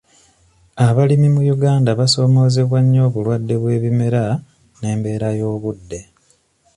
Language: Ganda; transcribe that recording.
Abalimi mu Uganda basoomozeebwa nnyo obulwadde bw'ebimera n'embeera y'obudde.